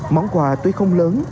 món quà tuy không lớn